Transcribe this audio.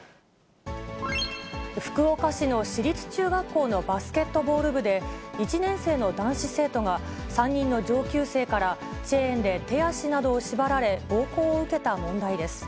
福岡市の私立中学校のバスケットボール部で、１年生の男性生徒が３人の上級生からチェーンで手足などを縛られ、暴行を受けた問題です。